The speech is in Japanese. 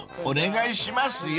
お願いします。